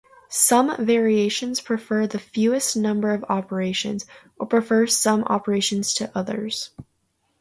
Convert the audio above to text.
Some variations prefer the "fewest" number of operations, or prefer some operations to others.